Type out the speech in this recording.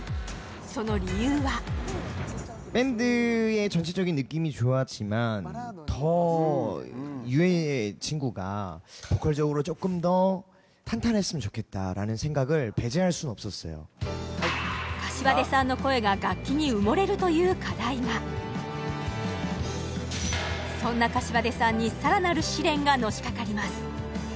その理由は膳さんの声が楽器に埋もれるという課題がそんな膳さんに更なる試練がのしかかります